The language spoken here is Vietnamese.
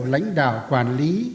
lãnh đạo quản lý